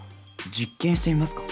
実験してみますか？